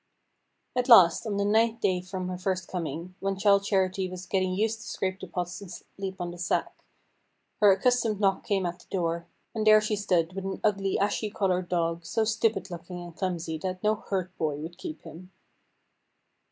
At last, on the ninth night from her first coming, when Childe Charity was getting used to scrape the pots and sleep on the sack, her accustomed knock came at the door, and there she stood with an ugly ashy coloured dog, so stupid looking and clumsy that no herd boy would keep him.